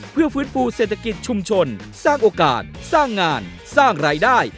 เพื่อฟื้นฟูเศรษฐกิจชุมชนสร้างโอกาสสร้างงานสร้างรายได้